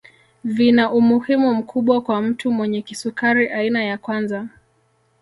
Vina umuhimu mkubwa kwa mtu mwenye kisukari aina ya kwanza